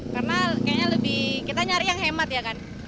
karena kayaknya lebih kita nyari yang hemat ya kan